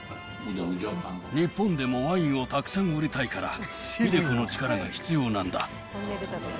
日本でもワインをたくさん売りたいから、英子の力が必要なんだ。